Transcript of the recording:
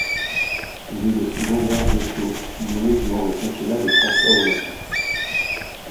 Il est le second garde des Sceaux nommé durant le quinquennat de François Hollande.